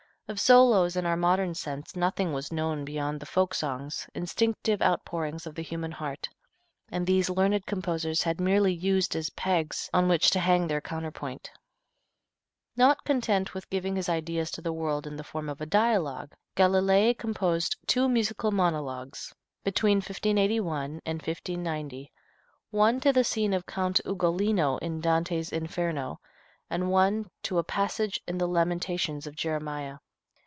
Of solos in our modern sense nothing was known beyond the folk songs, instinctive outpourings of the human heart, and these learned composers had merely used as pegs on which to hang their counterpoint. Not content with giving his ideas to the world in the form of a dialogue, Galilei composed two musical monologues, between 1581 and 1590, one to the scene of Count Ugolino, in Dante's "Inferno," and one to a passage in the Lamentations of Jeremiah.